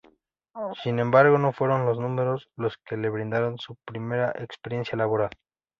Sin embargo, no fueron los números los que le brindaron su primera experiencia laboral.